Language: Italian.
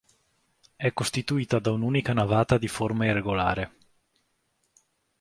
È costituita da un'unica navata di forma irregolare.